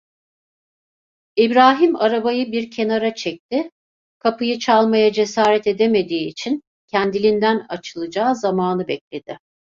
İbrahim arabayı bir kenara çekti, kapıyı çalmaya cesaret edemediği için, kendiliğinden açılacağı zamanı bekledi.